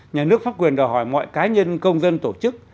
nhà nước pháp quyền đòi hỏi mọi cá nhân công dân tổ chức